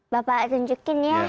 bapak tunjukin ya